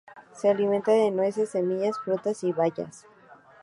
Se alimenta de nueces, semillas, frutas y bayas.